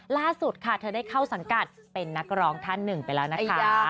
ล่าสุดค่ะเธอได้เข้าสังกัดเป็นนักร้องท่านหนึ่งไปแล้วนะคะ